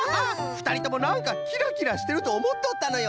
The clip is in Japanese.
ふたりともなんかキラキラしてるとおもっとったのよ！